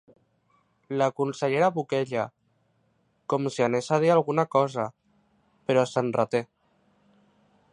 La consellera boqueja, com si anés a dir alguna cosa, però se'n reté.